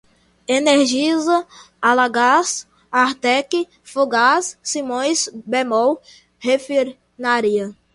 Energisa, Algás, Artek, Fogás, Simões, Bemol, Refinaria